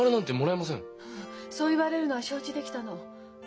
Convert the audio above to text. ううんそう言われるのは承知で来たの。